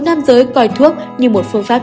nam giới coi thuốc như một phương pháp